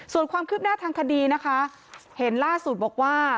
ส่วนความคืบหน้าทางคดีนะคะเห็นล่าสุดบอกว่า